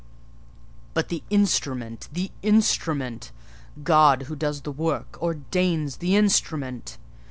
"But the instrument—the instrument! God, who does the work, ordains the instrument.